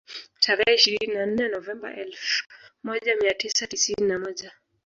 Tarehe ishirini na nne Novemba elfu moja mia tisa tisini na moja